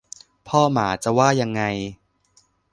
พ่อหมาจะว่ายังไง